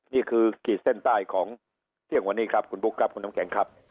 ขีดเส้นใต้ของเที่ยงวันนี้ครับคุณบุ๊คครับคุณน้ำแข็งครับ